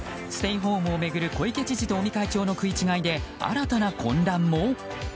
ステイホームを巡る小池知事と尾身会長のすれ違いで新たな混乱も？